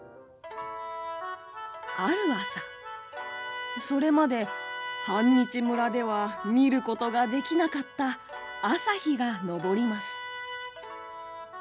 ある朝、それまで半日村では見ることができなかった朝日が昇ります。